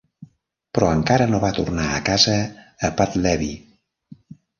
Però encara no va tornar a casa a Puddleby.